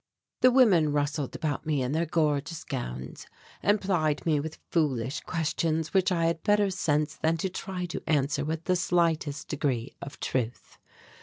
The women rustled about me in their gorgeous gowns and plied me with foolish questions which I had better sense than to try to answer with the slightest degree of truth.